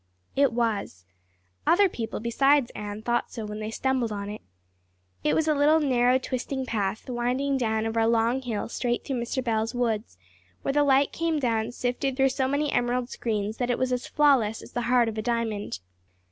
It was. Other people besides Anne thought so when they stumbled on it. It was a little narrow, twisting path, winding down over a long hill straight through Mr. Bell's woods, where the light came down sifted through so many emerald screens that it was as flawless as the heart of a diamond.